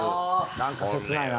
なんか切ないな。